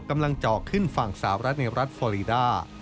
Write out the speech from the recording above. กำลังเจาะขึ้นฝั่งสาวรัฐในรัฐฟอรีดา